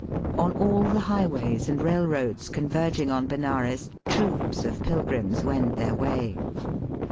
On all the highways and railroads converging on Benares troops of pilgrims wend their way.